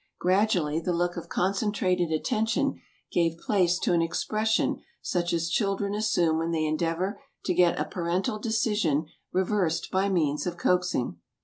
Gradually the look of concentrated attention gave place to an expres sion such as children assume when they endeavor to get a parental decision reversed by means of coaxing.